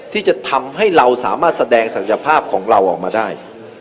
ที่จะทำให้เราสามารถแสดงศักยภาพของเราออกมาได้